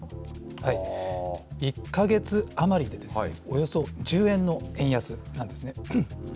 １か月余りで、およそ１０円の円安なんですね。